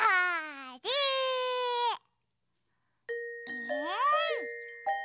えい！